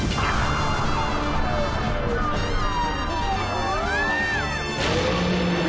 うわ！